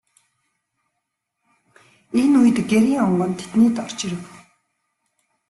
Энэ үед Гэрийн онгон тэднийд орж ирэв.